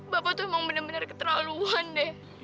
bapak tuh emang bener bener keterlaluan deh